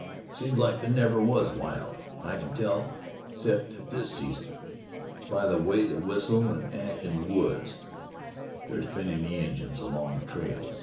"Seems like they never was wild. I can tell, 'cept at this season, by the way they whistle an' act in the woods, if there's been any Injuns along the trails."